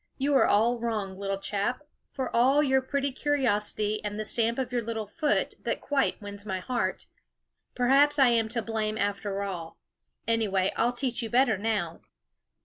You are all wrong, little chap, for all your pretty curiosity, and the stamp of your little foot that quite wins my heart. Perhaps I am to blame, after all ; anyway, I '11 teach you better now."